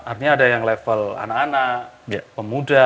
artinya ada yang level anak anak pemuda